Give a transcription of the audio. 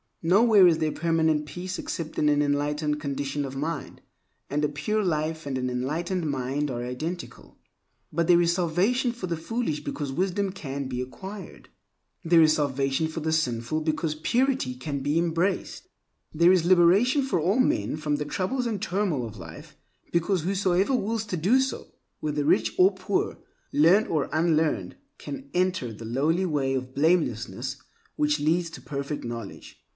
Nowhere is there permanent peace except in an enlightened condition of mind; and a pure life and an enlightened mind are identical. But there is salvation for the foolish because wisdom can be acquired. There is salvation for the sinful because purity can be embraced. There is liberation for all men from the troubles and turmoil of life because whosoever wills to do so—whether rich or poor, learned or unlearned—can enter the lowly way of blamelessness which leads to perfect knowledge.